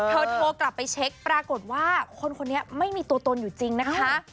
เธอโทรกลับไปเช็คปรากฏว่าคนคนนี้ไม่มีตัวตนอยู่จริงนะคะ